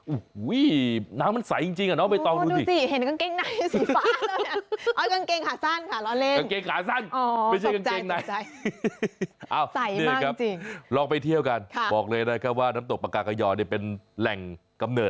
อุ๊ยน้ำมันใสจริงน้องไปต่อดูดูสิ